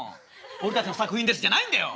「俺たちの作品です」じゃないんだよ！